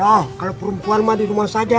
wah kalau perempuan mah di rumah saja